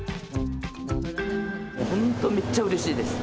本当、めっちゃうれしいです。